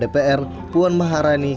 dpr ri puan maharani